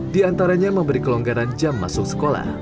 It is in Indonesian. di antaranya memberi kelonggaran jam masuk sekolah